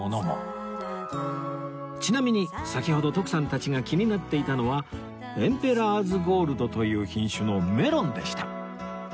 ちなみに先ほど徳さんたちが気になっていたのはエンペラーズゴールドという品種のメロンでした